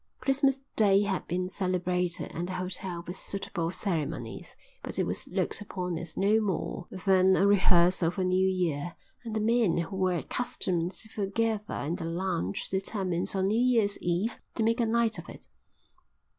Christmas Day had been celebrated at the hotel with suitable ceremonies, but it was looked upon as no more than a rehearsal for New Year, and the men who were accustomed to foregather in the lounge determined on New Year's Eve to make a night of it.